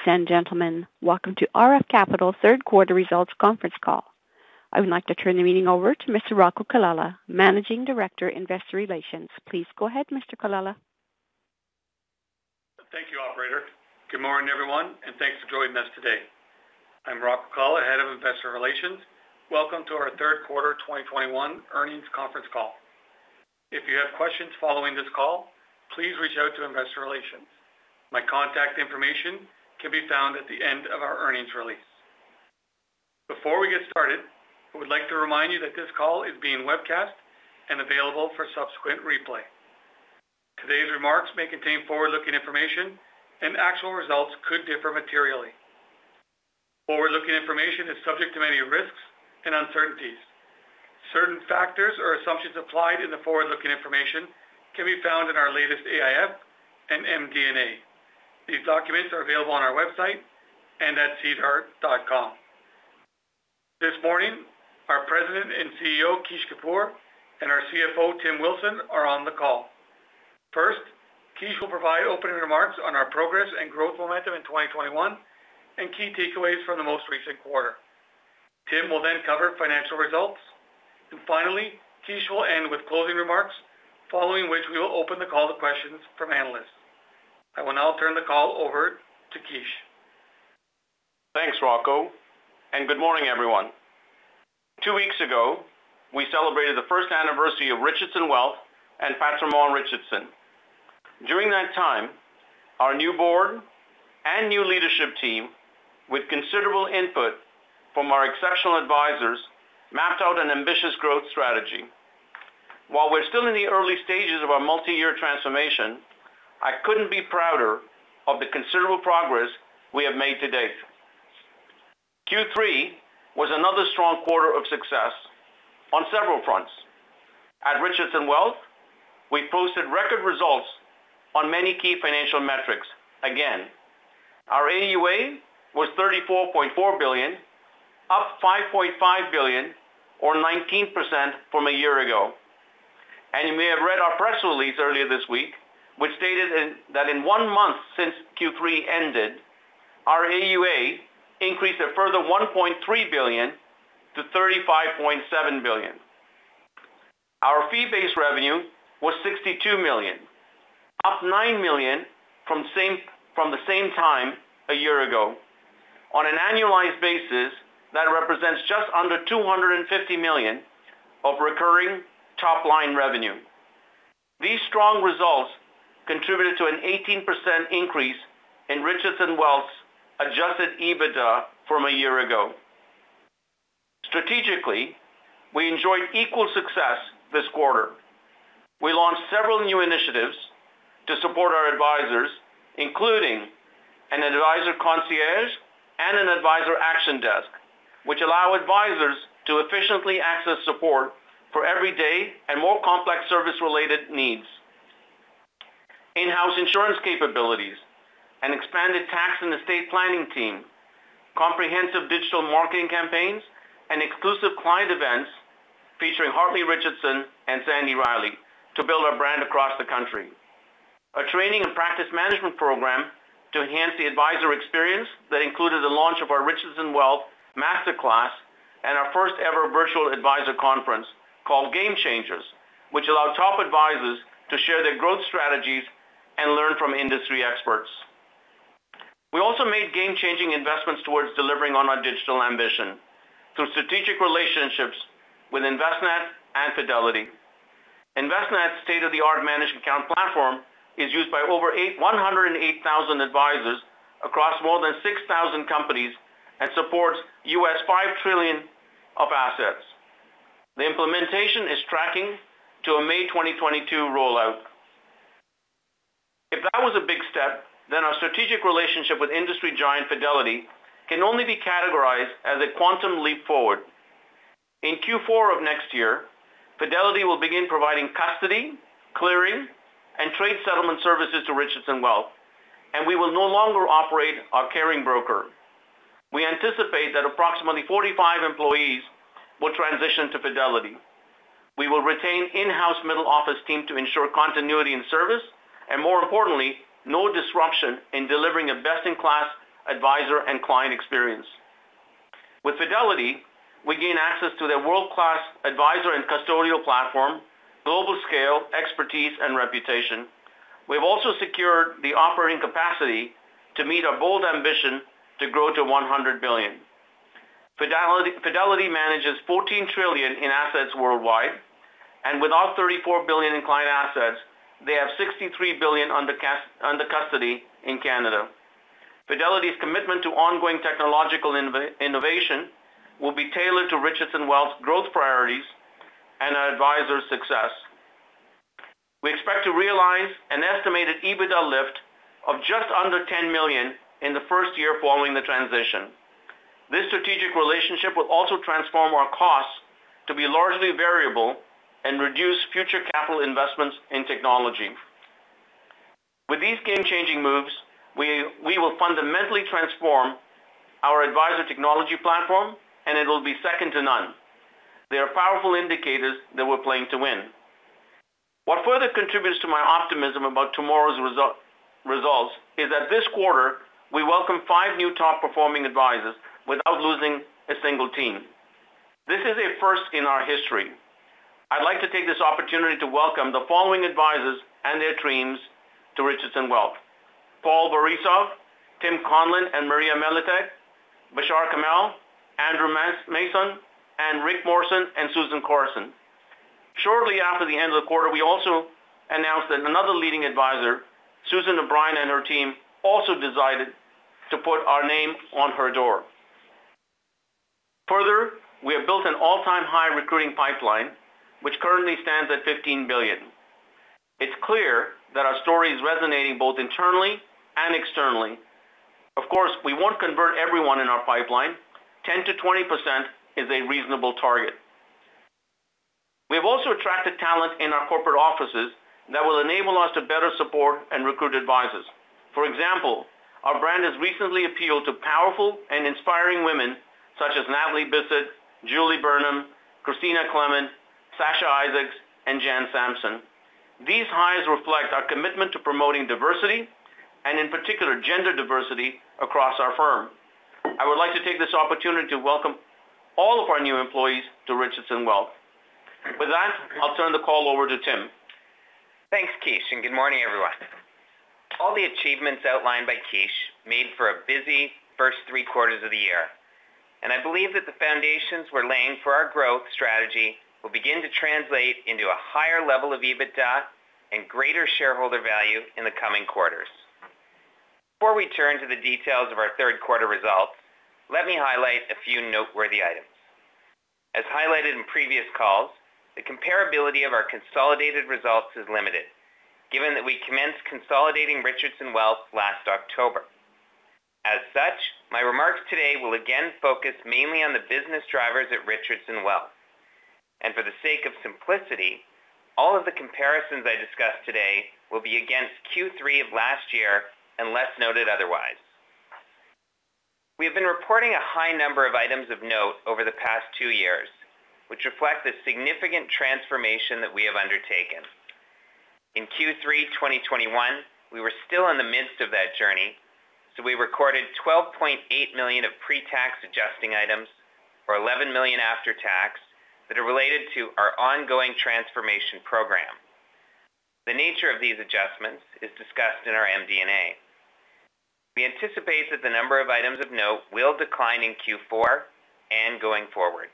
Ladies and gentlemen, welcome to RF Capital third quarter results conference call. I would like to turn the meeting over to Mr. Rocco Colella, Managing Director, Investor Relations. Please go ahead, Mr. Colella. Thank you, operator. Good morning, everyone, and thanks for joining us today. I'm Rocco Colella, Head of Investor Relations. Welcome to our third quarter 2021 earnings conference call. If you have questions following this call, please reach out to investor relations. My contact information can be found at the end of our earnings release. Before we get started, I would like to remind you that this call is being webcast and available for subsequent replay. Today's remarks may contain forward-looking information and actual results could differ materially. Forward-looking information is subject to many risks and uncertainties. Certain factors or assumptions applied in the forward-looking information can be found in our latest AIF and MD&A. These documents are available on our website and at sedar.com. This morning, our President and CEO, Kish Kapoor, and our CFO, Tim Wilson, are on the call. First, Kish will provide opening remarks on our progress and growth momentum in 2021 and key takeaways from the most recent quarter. Tim will then cover financial results. Finally, Kish will end with closing remarks, following which we will open the call to questions from analysts. I will now turn the call over to Kish. Thanks, Rocco, and good morning, everyone. Two weeks ago, we celebrated the first anniversary of Richardson Wealth and Patrimoine Richardson. During that time, our new board and new leadership team, with considerable input from our exceptional advisors, mapped out an ambitious growth strategy. While we're still in the early stages of our multi-year transformation, I couldn't be prouder of the considerable progress we have made to date. Q3 was another strong quarter of success on several fronts. At Richardson Wealth, we posted record results on many key financial metrics again. Our AUA was 34.4 billion, up 5.5 billion or 19% from a year ago. You may have read our press release earlier this week, which stated that in one month since Q3 ended, our AUA increased a further 1.3 billion-35.7 billion. Our fee-based revenue was 62 million, up 9 million from the same time a year ago. On an annualized basis, that represents just under 250 million of recurring top-line revenue. These strong results contributed to an 18% increase in Richardson Wealth's adjusted EBITDA from a year ago. Strategically, we enjoyed equal success this quarter. We launched several new initiatives to support our advisors, including an advisor concierge and an advisor action desk, which allow advisors to efficiently access support for everyday and more complex service-related needs. In-house insurance capabilities, an expanded tax and estate planning team, comprehensive digital marketing campaigns, and exclusive client events featuring Hartley Richardson and Sandy Riley to build our brand across the country. A training and practice management program to enhance the advisor experience that included the launch of our Richardson Wealth Masterclass and our first ever virtual advisor conference called Game Changers, which allowed top advisors to share their growth strategies and learn from industry experts. We also made game-changing investments towards delivering on our digital ambition through strategic relationships with Envestnet and Fidelity. Envestnet's state-of-the-art managed account platform is used by over 108,000 advisors across more than 6,000 companies and supports $5 trillion of assets. The implementation is tracking to a May 2022 rollout. If that was a big step, then our strategic relationship with industry giant Fidelity can only be categorized as a quantum leap forward. In Q4 of next year, Fidelity will begin providing custody, clearing, and trade settlement services to Richardson Wealth, and we will no longer operate our carrying broker. We anticipate that approximately 45 employees will transition to Fidelity. We will retain in-house middle office team to ensure continuity in service, and more importantly, no disruption in delivering a best-in-class advisor and client experience. With Fidelity, we gain access to their world-class advisor and custodial platform, global scale, expertise, and reputation. We've also secured the operating capacity to meet our bold ambition to grow to 100 billion. Fidelity manages $14 trillion in assets worldwide, and with our 34 billion in client assets, they have 63 billion under custody in Canada. Fidelity's commitment to ongoing technological innovation will be tailored to Richardson Wealth's growth priorities and our advisors' success. We expect to realize an estimated EBITDA lift of just under 10 million in the first year following the transition. This strategic relationship will also transform our costs to be largely variable and reduce future capital investments in technology. With these game-changing moves, we will fundamentally transform our advisor technology platform, and it'll be second to none. They are powerful indicators that we're playing to win. What further contributes to my optimism about tomorrow's results is that this quarter, we welcome five new top performing advisors without losing a single team. This is a first in our history. I'd like to take this opportunity to welcome the following advisors and their teams to Richardson Wealth. Paul Borisoff, Tim Conlin, and Maria Miletic, Bashar Kamel, Andrew Masson, and Rick Morson and Susan Carson. Shortly after the end of the quarter, we also announced that another leading advisor, Susan O'Brien, and her team also decided to put our name on her door. Further, we have built an all-time high recruiting pipeline, which currently stands at 15 billion. It's clear that our story is resonating both internally and externally. Of course, we won't convert everyone in our pipeline. 10%-20% is a reasonable target. We have also attracted talent in our corporate offices that will enable us to better support and recruit advisors. For example, our brand has recently appealed to powerful and inspiring women such as Natalie Bisset, Julie Burnham, Christina Clement, Sascha Isaacs, and Jan Sampson. These hires reflect our commitment to promoting diversity, and in particular, gender diversity across our firm. I would like to take this opportunity to welcome all of our new employees to Richardson Wealth. With that, I'll turn the call over to Tim. Thanks, Kish, and good morning, everyone. All the achievements outlined by Kish made for a busy first three quarters of the year, and I believe that the foundations we're laying for our growth strategy will begin to translate into a higher level of EBITDA and greater shareholder value in the coming quarters. Before we turn to the details of our third quarter results, let me highlight a few noteworthy items. As highlighted in previous calls, the comparability of our consolidated results is limited, given that we commenced consolidating Richardson Wealth last October. As such, my remarks today will again focus mainly on the business drivers at Richardson Wealth. For the sake of simplicity, all of the comparisons I discuss today will be against Q3 of last year, unless noted otherwise. We have been reporting a high number of items of note over the past two years, which reflect the significant transformation that we have undertaken. In Q3 2021, we were still in the midst of that journey, so we recorded 12.8 million of pre-tax adjusting items, or 11 million after tax that are related to our ongoing transformation program. The nature of these adjustments is discussed in our MD&A. We anticipate that the number of items of note will decline in Q4 and going forward.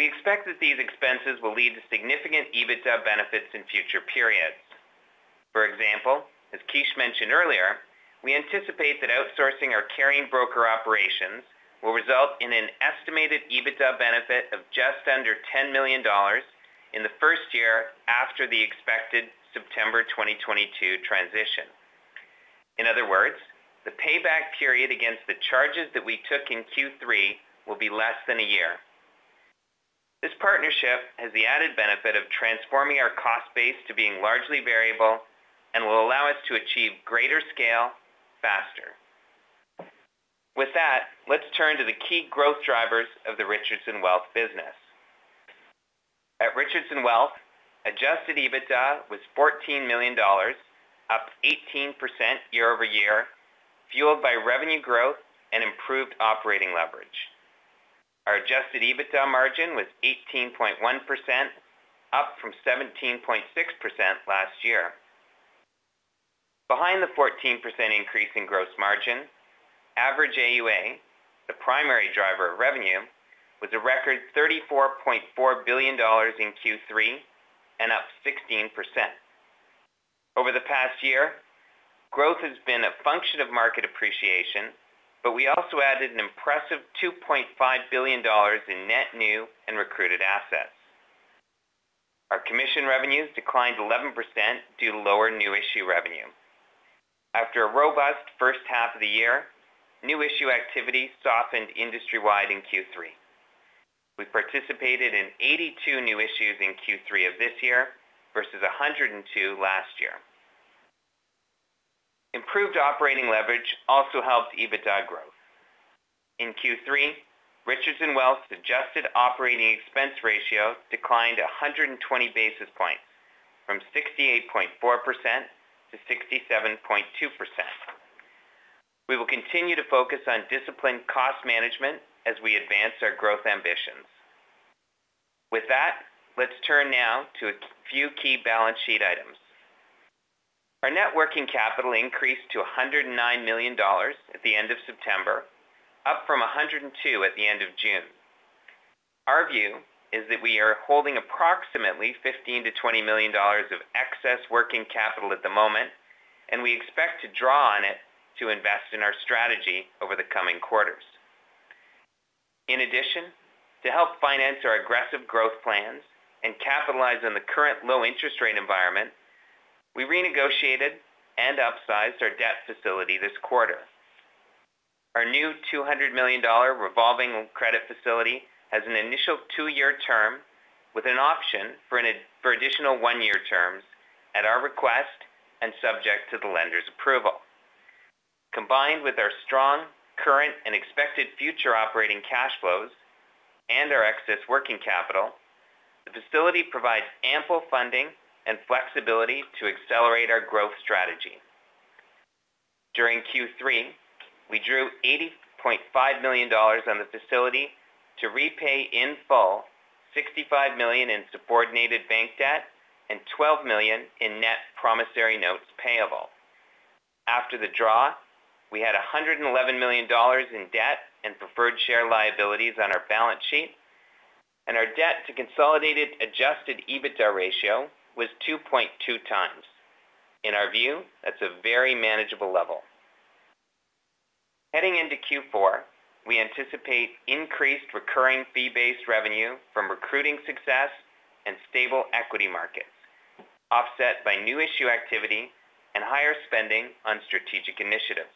We expect that these expenses will lead to significant EBITDA benefits in future periods. For example, as Kish mentioned earlier, we anticipate that outsourcing our carrying broker operations will result in an estimated EBITDA benefit of just under 10 million dollars in the first year after the expected September 2022 transition. In other words, the payback period against the charges that we took in Q3 will be less than a year. This partnership has the added benefit of transforming our cost base to being largely variable and will allow us to achieve greater scale faster. With that, let's turn to the key growth drivers of the Richardson Wealth business. At Richardson Wealth, adjusted EBITDA was 14 million dollars, up 18% year-over-year, fueled by revenue growth and improved operating leverage. Our adjusted EBITDA margin was 18.1%, up from 17.6% last year. Behind the 14% increase in gross margin, average AUA, the primary driver of revenue, was a record 34.4 billion dollars in Q3 and up 16%. Over the past year, growth has been a function of market appreciation, but we also added an impressive 2.5 billion dollars in net new and recruited assets. Our commission revenues declined 11% due to lower new issue revenue. After a robust first half of the year, new issue activity softened industry-wide in Q3. We participated in 82 new issues in Q3 of this year versus 102 last year. Improved operating leverage also helped EBITDA growth. In Q3, Richardson Wealth's adjusted operating expense ratio declined 120 basis points from 68.4% to 67.2%. We will continue to focus on disciplined cost management as we advance our growth ambitions. With that, let's turn now to a few key balance sheet items. Our net working capital increased to 109 million dollars at the end of September, up from 102 million at the end of June. Our view is that we are holding approximately 15 million-20 million dollars of excess working capital at the moment, and we expect to draw on it to invest in our strategy over the coming quarters. In addition, to help finance our aggressive growth plans and capitalize on the current low interest rate environment, we renegotiated and upsized our debt facility this quarter. Our new 200 million dollar revolving credit facility has an initial two-year term with an option for additional one-year terms at our request and subject to the lender's approval. Combined with our strong current and expected future operating cash flows and our excess working capital, the facility provides ample funding and flexibility to accelerate our growth strategy. During Q3, we drew 80.5 million dollars on the facility to repay in full 65 million in subordinated bank debt and 12 million in net promissory notes payable. After the draw, we had 111 million dollars in debt and preferred share liabilities on our balance sheet, and our debt to consolidated adjusted EBITDA ratio was 2.2x. In our view, that's a very manageable level. Heading into Q4, we anticipate increased recurring fee-based revenue from recruiting success and stable equity markets, offset by new issue activity and higher spending on strategic initiatives.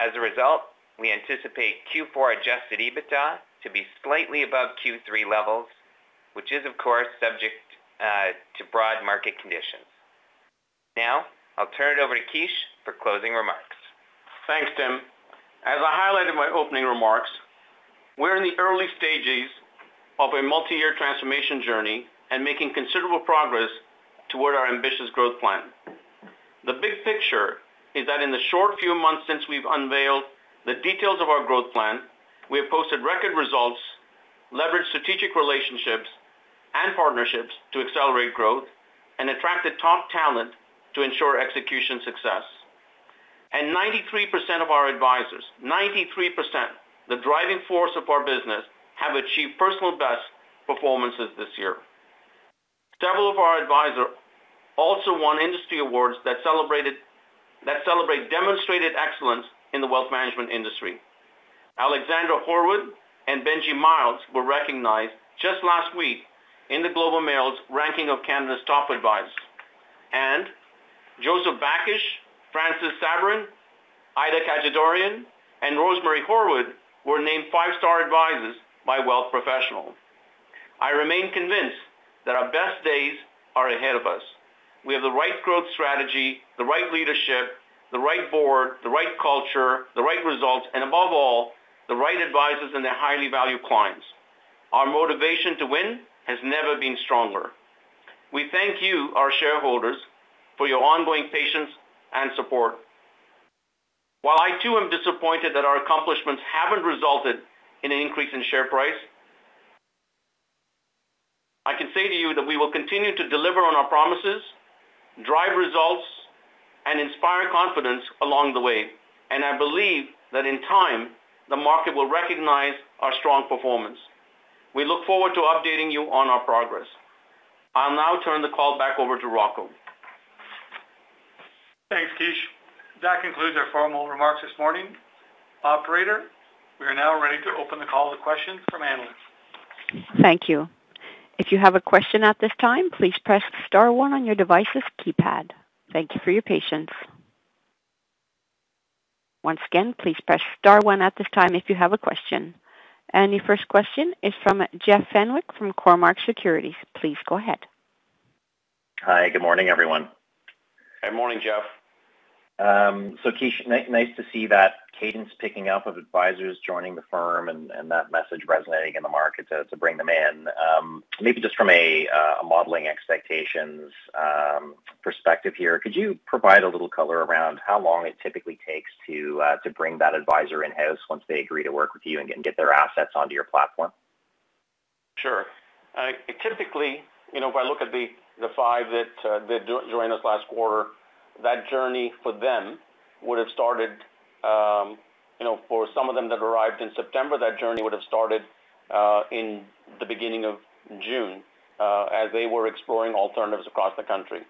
As a result, we anticipate Q4 adjusted EBITDA to be slightly above Q3 levels, which is of course subject to broad market conditions. Now I'll turn it over to Kish for closing remarks. Thanks, Tim. As I highlighted in my opening remarks, we're in the early stages of a multi-year transformation journey and making considerable progress toward our ambitious growth plan. The big picture is that in the short few months since we've unveiled the details of our growth plan, we have posted record results, leveraged strategic relationships and partnerships to accelerate growth, and attracted top talent to ensure execution success. 93% of our advisors, 93%, the driving force of our business, have achieved personal best performances this year. Several of our advisors also won industry awards that celebrate demonstrated excellence in the wealth management industry. Alexandra Horwood and Benji Miles were recognized just last week in the Globe and Mail's ranking of Canada's top advisors. Joseph Bakish, Francis Sabourin, Ida Khajadourian, and Rosemary Horwood were named five-star advisors by Wealth Professional. I remain convinced that our best days are ahead of us. We have the right growth strategy, the right leadership, the right board, the right culture, the right results, and above all, the right advisors and their highly valued clients. Our motivation to win has never been stronger. We thank you, our shareholders, for your ongoing patience and support. While I too am disappointed that our accomplishments haven't resulted in an increase in share price, I can say to you that we will continue to deliver on our promises, drive results, and inspire confidence along the way. I believe that in time, the market will recognize our strong performance. We look forward to updating you on our progress. I'll now turn the call back over to Rocco. Thanks, Kish. That concludes our formal remarks this morning. Operator, we are now ready to open the call to questions from analysts. Your first question is from Jeff Fenwick from Cormark Securities. Please go ahead. Hi, good morning, everyone. Good morning, Jeff. Kish, nice to see that cadence picking up of advisors joining the firm and that message resonating in the market to bring them in. Maybe just from a modeling expectations perspective here, could you provide a little color around how long it typically takes to bring that advisor in-house once they agree to work with you and get their assets onto your platform? Sure. Typically, you know, if I look at the five that joined us last quarter, that journey for them would have started, you know, for some of them that arrived in September, that journey would have started in the beginning of June as they were exploring alternatives across the country.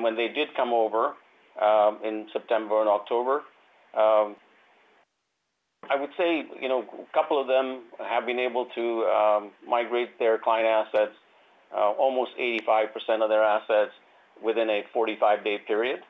When they did come over in September and October, I would say, you know, a couple of them have been able to migrate their client assets, almost 85% of their assets within a 45-day period,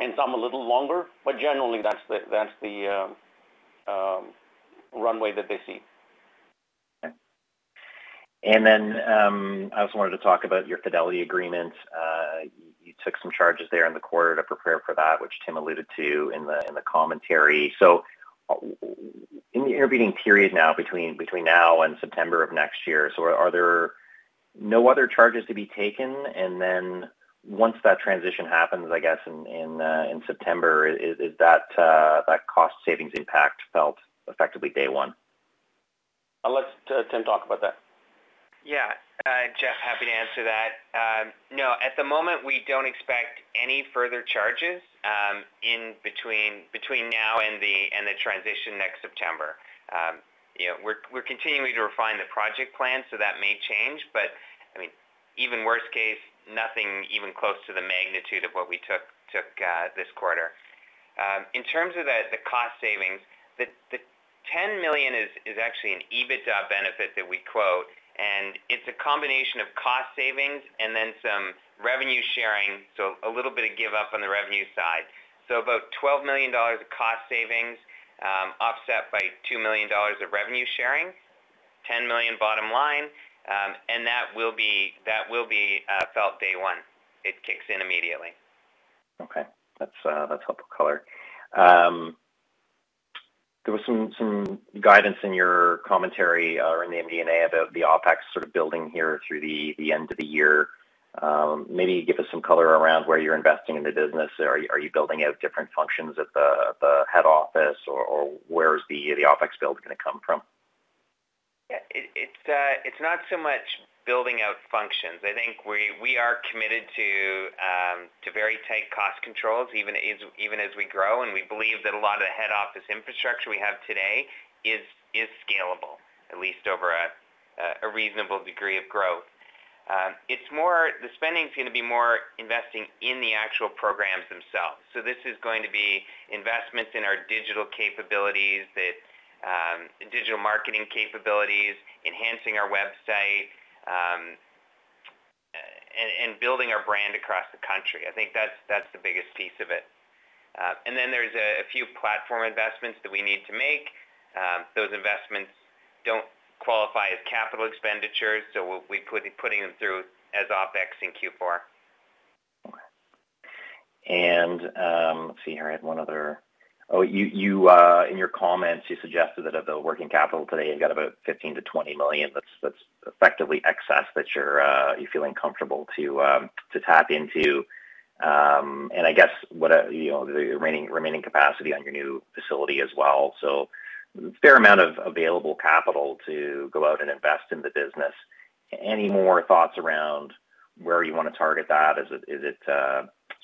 and some a little longer. Generally, that's the runway that they see. Okay. I also wanted to talk about your Fidelity agreement. You took some charges there in the quarter to prepare for that, which Tim alluded to in the commentary. In the intervening period now between now and September of next year, are there no other charges to be taken? Once that transition happens, I guess, in September, is that cost savings impact felt effectively day one? I'll let Tim talk about that. Yeah. Jeff, happy to answer that. No, at the moment, we don't expect any further charges in between now and the transition next September. You know, we're continuing to refine the project plan, so that may change. I mean, even worst case, nothing even close to the magnitude of what we took this quarter. In terms of the cost savings, the 10 million is actually an EBITDA benefit that we quote, and it's a combination of cost savings and then some revenue sharing, so a little bit of give up on the revenue side. About 12 million dollars of cost savings offset by 2 million dollars of revenue sharing. 10 million bottom line. That will be felt day one. It kicks in immediately. Okay. That's helpful color. There was some guidance in your commentary or in the MD&A about the OpEx sort of building here through the end of the year. Maybe give us some color around where you're investing in the business. Are you building out different functions at the head office or where is the OpEx build gonna come from? Yeah. It's not so much building out functions. I think we are committed to very tight cost controls even as we grow, and we believe that a lot of the head office infrastructure we have today is scalable, at least over a reasonable degree of growth. It's more. The spending is gonna be more investing in the actual programs themselves. This is going to be investments in our digital capabilities, digital marketing capabilities, enhancing our website, and building our brand across the country. I think that's the biggest piece of it. Then there's a few platform investments that we need to make. Those investments don't qualify as capital expenditures, so we'll be putting them through as OpEx in Q4. Let's see here. I had one other. Oh, you in your comments, you suggested that of the working capital today, you've got about 15 million-20 million that's effectively excess that you're feeling comfortable to tap into. I guess, you know, the remaining capacity on your new facility as well. Fair amount of available capital to go out and invest in the business. Any more thoughts around where you want to target that? Is it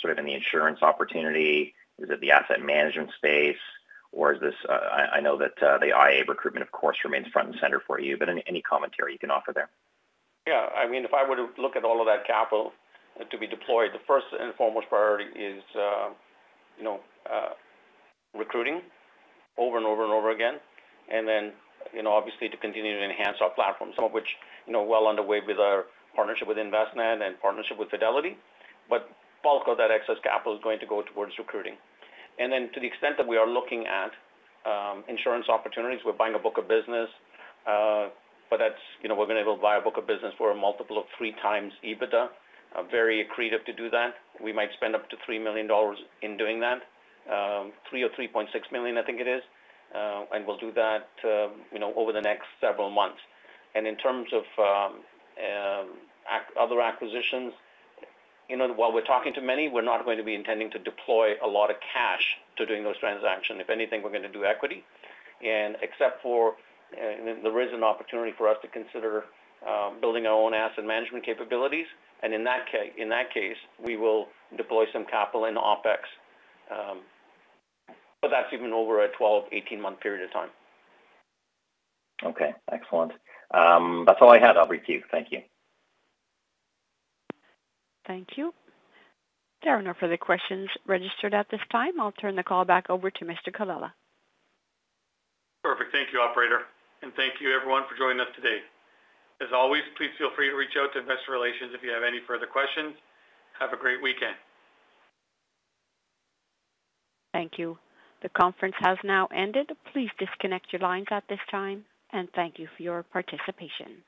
sort of in the insurance opportunity? Is it the asset management space, or is this, I know that the IA recruitment, of course, remains front and center for you, but any commentary you can offer there? Yeah. I mean, if I were to look at all of that capital to be deployed, the first and foremost priority is, you know, recruiting over and over and over again. Then, you know, obviously to continue to enhance our platform, some of which, you know, well underway with our partnership with Envestnet and partnership with Fidelity. Bulk of that excess capital is going to go towards recruiting. Then to the extent that we are looking at insurance opportunities, we're buying a book of business, but that's, you know, we're gonna go buy a book of business for a multiple of 3x EBITDA. Very accretive to do that. We might spend up to 3 million dollars in doing that, 3 million or 3.6 million, I think it is. We'll do that, you know, over the next several months. In terms of other acquisitions, you know, while we're talking to many, we're not going to be intending to deploy a lot of cash to doing those transactions. If anything, we're gonna do equity. Except for, and if there is an opportunity for us to consider building our own asset management capabilities, and in that case, we will deploy some capital in OpEx. That's even over a 12- to 18-month period of time. Okay, excellent. That's all I had, [I'll be in the queue]. Thank you. Thank you. There are no further questions registered at this time. I'll turn the call back over to Mr. Colella. Perfect. Thank you, operator. Thank you everyone for joining us today. As always, please feel free to reach out to investor relations if you have any further questions. Have a great weekend. Thank you. The conference has now ended. Please disconnect your lines at this time, and thank you for your participation.